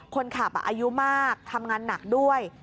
คนขับอายุมากทำงานหนักด้วย